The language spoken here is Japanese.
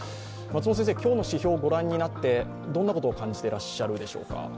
今日の指標、御覧になってどんなことを感じてらっしゃるでしょうか。